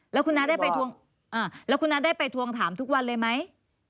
แล้วคุณน้าได้ไปทวงแล้วคุณน้าได้ไปทวงถามทุกวันเลยไหม